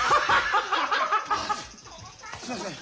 すいません。